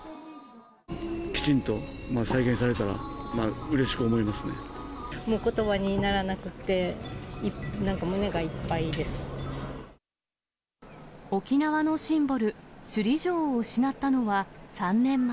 きちんと再建されたら、もう、ことばにならなくって、沖縄のシンボル、首里城を失ったのは、３年前。